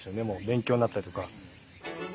勉強になったりとか。